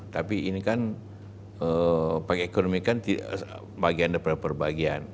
tapi ini kan pakai ekonomi kan bagian daripada perbagian